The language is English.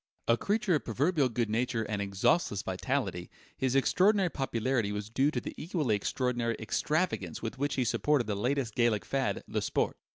A creature of proverbial good nature and exhaustless vitality, his extraordinary popularity was due to the equally extraordinary extravagance with which he supported that latest Gallic fad, "le Sport."